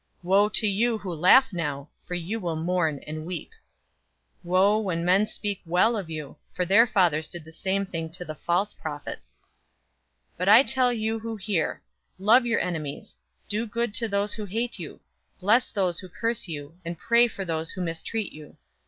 Woe to you who laugh now, for you will mourn and weep. 006:026 Woe,{TR adds "to you"} when{TR adds "all"} men speak well of you, for their fathers did the same thing to the false prophets. 006:027 "But I tell you who hear: love your enemies, do good to those who hate you, 006:028 bless those who curse you, and pray for those who mistreat you.